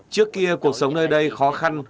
trước kia cuộc sống nơi đây khó khăn